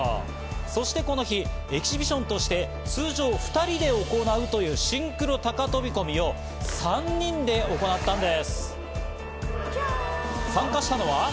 そしてこの日、エキシビジョンとして通常２人で行うというシンクロ高飛び込みを３人で行ったのです。